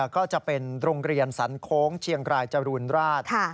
ก็จะเป็นโรงเรียนสันโค้งเชียงรายจรูนราช